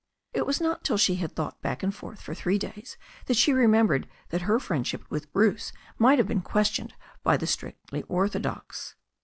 It was not till she had thought back and forth for three days that she remembered that her friendship with Bruce might have been questioned by the strictly orthodox.